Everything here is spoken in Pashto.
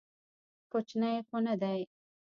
کوچنى خو نه دى.